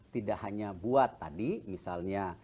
tidak hanya buat tadi misalnya